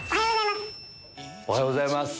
おはようございます。